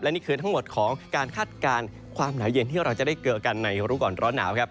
นี่คือทั้งหมดของการคาดการณ์ความหนาวเย็นที่เราจะได้เจอกันในรู้ก่อนร้อนหนาวครับ